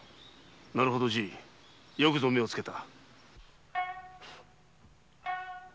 なるほどじぃよくぞ目をつけた。